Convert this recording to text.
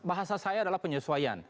bahasa saya adalah penyesuaian